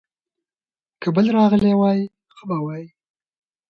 که بل راغلی وای، ښه به وای.